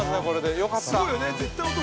よかった。